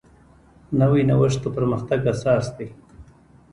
نوی نوښت د پرمختګ اساس دی